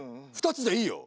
２つでいいよ。